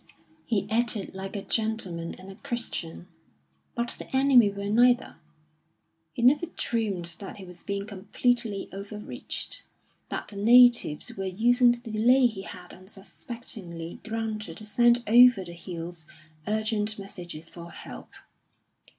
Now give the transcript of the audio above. He acted like a gentleman and a Christian; but the enemy were neither. He never dreamed that he was being completely overreached, that the natives were using the delay he had unsuspectingly granted to send over the hills urgent messages for help.